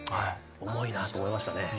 重いなって思いましたね。